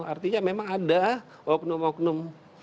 artinya memang ada oknum oknum